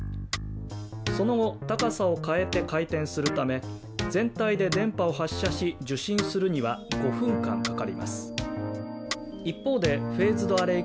その後高さを変えて回転するため全体で電波を発射し受信するには５分間かかります一方でフェーズドアレイ